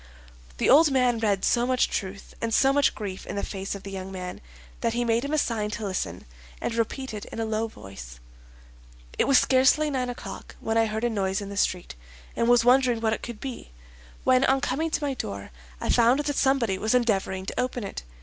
The old man read so much truth and so much grief in the face of the young man that he made him a sign to listen, and repeated in a low voice: "It was scarcely nine o'clock when I heard a noise in the street, and was wondering what it could be, when on coming to my door, I found that somebody was endeavoring to open it.